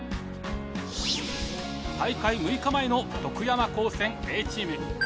大会６日前の徳山高専Ａチーム。